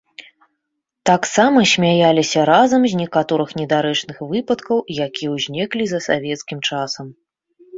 Таксама смяяліся разам з некаторых недарэчных выпадкаў, якія ўзніклі за савецкім часам.